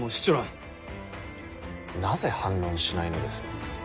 なぜ反論しないのです？